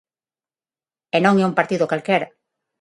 E non é un partido calquera.